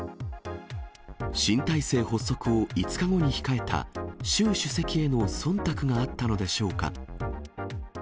新体制発足を５日後に控えた習主席へのそんたくがあったのでしょうか。